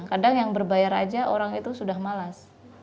kadang yang berbayar aja orang itu sudah malas